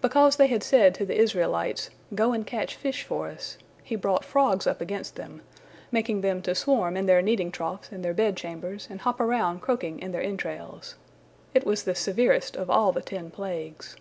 Because they had said to the Israelites, "Go and catch fish for us," He brought frogs up against them, making them to swarm in their kneading troughs and their bed chambers and hop around croaking in their entrails. It was the severest of all the ten plagues.